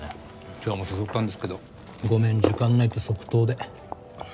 今日も誘ったんですけどごめん時間ないって即答で。